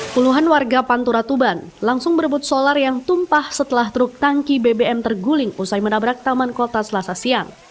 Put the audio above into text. puluhan warga pantura tuban langsung berebut solar yang tumpah setelah truk tangki bbm terguling usai menabrak taman kota selasa siang